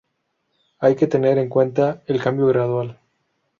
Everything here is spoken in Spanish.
Hay que tener en cuenta el cambio gradual.